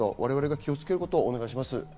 我々が気をつけることをお願いします。